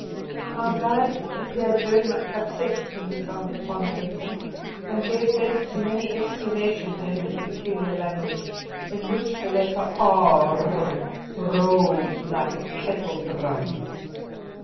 Our guide appeared very much upset when he found the pond empty, and gave vent to many exclamations in his peculiar language, in which the letter "r" rolled like a kettledrum.